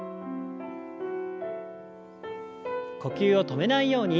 呼吸を止めないように。